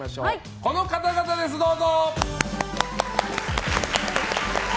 この方々です、どうぞ。